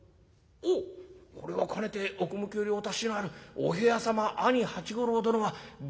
おっこれはかねて奥向きよりお達しのあるお部屋様兄八五郎殿はご貴殿でござったか。